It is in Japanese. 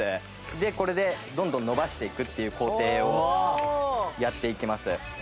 でこれでどんどん伸ばしていくっていう工程をやっていきます。